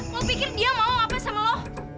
lo pikir dia mau ngapain sama lo